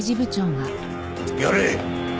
やれ。